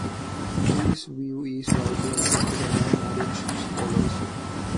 This view is widely accepted among modern scholars.